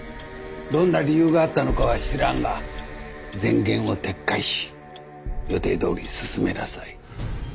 どんな理由があったのかは知らんが前言を撤回し予定どおり進めなさい。